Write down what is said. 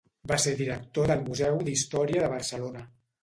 Va ser director del Museu d'Història de Barcelona.